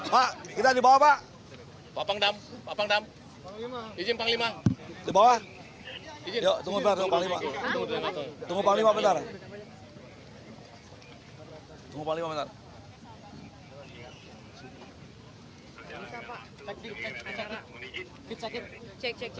pengupali lima belas menit